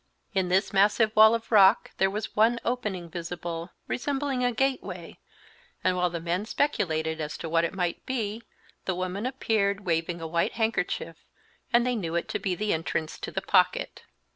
In this massive wall of rock there was one opening visible, resembling a gateway, and while the men speculated as to what it might be, the woman appeared, waving a white handkerchief, and they knew it to be the entrance to the Pocket.